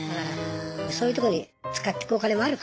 そういうとこに使ってくお金もあるからね。